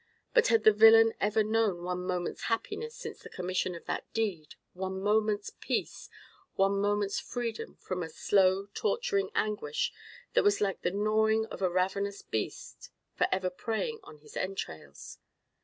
But had the villain ever known one moment's happiness since the commission of that deed—one moment's peace—one moment's freedom from a slow, torturing anguish that was like the gnawing of a ravenous beast for ever preying on his entrails?